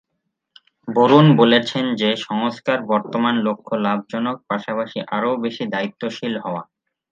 বরুণ বলেছেন যে সংস্থার বর্তমান লক্ষ্য লাভজনক পাশাপাশি আরও বেশি দায়িত্বশীল হওয়া।